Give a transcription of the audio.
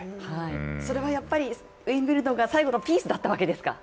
それはやっぱり、ウィンブルドンが最後のピースだったわけですか？